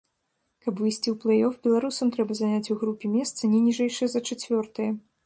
Каб выйсці ў плэй-оф, беларусам трэба заняць у групе месца, не ніжэйшае за чацвёртае.